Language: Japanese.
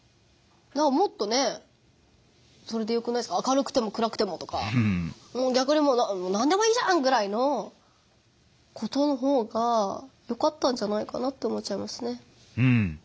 もっとね「それでよくないですか明るくても暗くても」とか逆に「何でもいいじゃん！」ぐらいのことのほうがよかったんじゃないかなって思っちゃいますね。